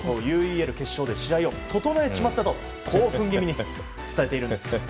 ＵＥＬ決勝で試合を整えちまったと興奮気味に伝えているんです。